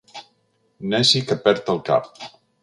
Neci que perd el cap.